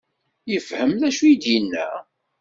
Yefhem d acu i d-yenna?